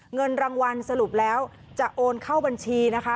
เงินรางวัลสรุปแล้วจะโอนเข้าบัญชีนะคะ